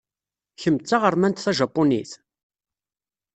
Kemm d taɣermant tajapunit?